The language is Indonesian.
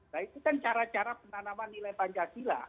nah itu kan cara cara penanaman nilai pancasila